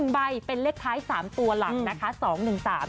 ใบเป็นเลขท้าย๓ตัวหลังนะคะ